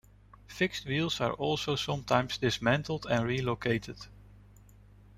Fixed wheels are also sometimes dismantled and relocated.